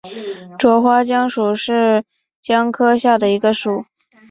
喙花姜属是姜科下的一个属。